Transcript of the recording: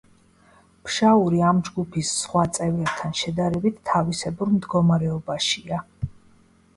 ფშაური ამ ჯგუფის სხვა წევრებთან შედარებით თავისებურ მდგომარეობაშია.